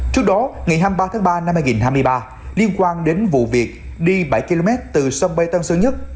trước đó ngày hai mươi ba tháng ba năm hai nghìn hai mươi ba liên quan đến vụ việc đi bảy km từ sân bay tân sơn nhất